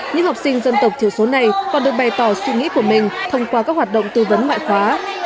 những học sinh dân tộc thiểu số này còn được bày tỏ suy nghĩ của mình thông qua các hoạt động tư vấn ngoại khóa